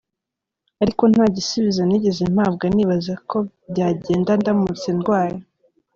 Ariko nta gisubizo nigeze mpabwa nibaza uko byagenda ndamutse ndwaye.